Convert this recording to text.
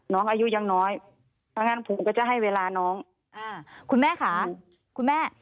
น้องอายุยังน้อยถ้างั้นผมก็จะให้เวลาน้องอ่าคุณแม่ค่ะคุณแม่